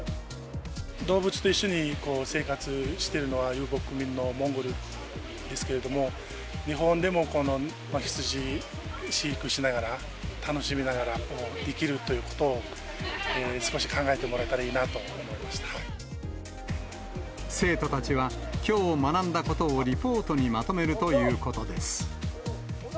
動物と一緒に生活してるのは、遊牧民のモンゴルですけれども、日本でも羊飼育しながら、楽しみながら生きるということを少し考えてもらえたらいいなと思生徒たちは、きょう学んだことをリポートにまとめるということです。